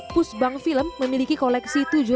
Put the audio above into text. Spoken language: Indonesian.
pusbang film memiliki koleksi